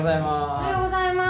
おはようございます。